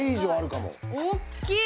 おっきい！